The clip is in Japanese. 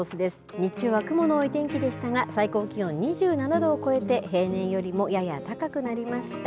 日中は雲の多い天気でしたが、最高気温２７度を超えて、平年よりもやや高くなりました。